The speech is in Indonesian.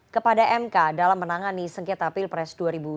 kepada mk dalam menangani sengketa pilpres dua ribu dua puluh empat